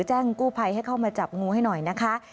แจ้งกู้ภัยให้เข้ามาจับงูให้หน่อยนะคะ